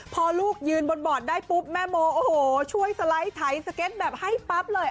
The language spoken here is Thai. พอลูกยืนบนบอร์ดได้ปุ๊บแม่โมโอ้โหช่วยสไลด์ไถสเก็ตแบบให้ปั๊บเลย